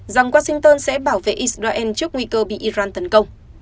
rằng washington sẽ bảo vệ israel trước nguy cơ bị iran tấn công